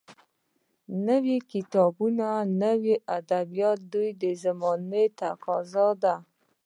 نوي کتابونه او نوي ادبیات د دې زمانې تقاضا ده